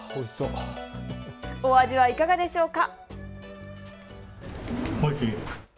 お味はいかがでしょうか。